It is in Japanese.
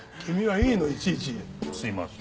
すいません。